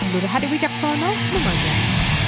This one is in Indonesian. dura hadewi caksono lumajang